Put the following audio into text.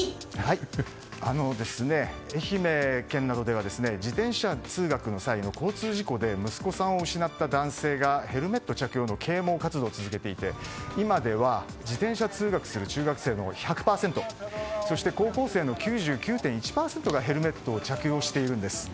愛媛県などでは自転車通学での交通事故で息子さんを失った男性がヘルメット着用の啓蒙活動を続けていて今では自転車通学する中学生の１００％そして、高校生の９９．１％がヘルメットを着用しているんです。